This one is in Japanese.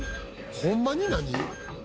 「ホンマに何？」